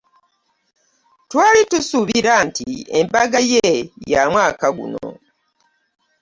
Twali tusuubira nti embaga ye ya mwaka guno.